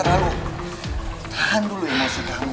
tahan dulu emosi kamu